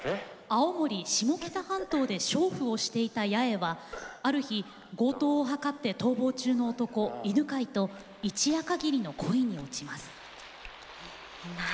青森・下北半島でしょう婦をしていた八重はある日、強盗を謀って逃走中の男、犬飼と一夜かぎりの恋に落ちます。